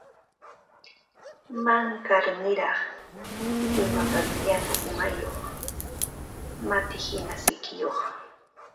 Wankarniraq, imapas llañu umayuq matihina sikiyuq